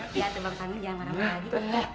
ya teman teman jangan marah marah lagi